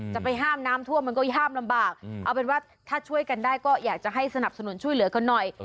จะไปห้ามน้ำท่วมมันก็ห้ามลำบากเอาเป็นว่าถ้าช่วยกันได้ก็อยากจะให้สนับสนุนช่วยเหลือกันหน่อย